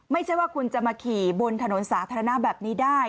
ไม่ใช่ว่าคุณจะมาขี่บนถนนสาธารณะแบบนี้ได้